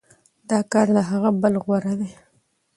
دا کار له هغه بل غوره دی.